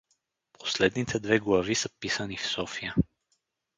Последните две глави са писани в София.